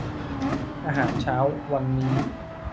อาหารเช้าวันนี้